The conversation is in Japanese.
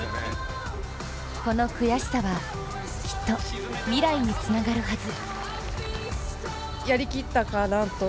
この悔しさはきっと、未来につながるはず。